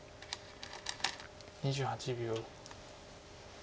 ２８秒。